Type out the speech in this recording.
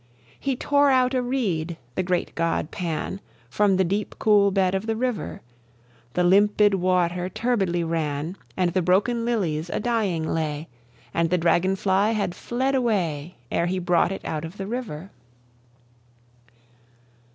He tore out a reed, the great god Pan, From the deep cool bed of the river: The limpid water turbidly ran, And the broken lilies a dying lay, And the dragon fly had fled away, Ere he brought it out of the river.